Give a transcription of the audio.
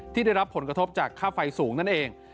ที่ได้รับผลกระทบจากค่าไฟสูงนั่นเอง